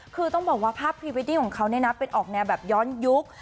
คือต้องบอกว่าภาพพรีเวดดิ่งของเขาเนี่ยนะเป็นออกแนวแบบย้อนยุค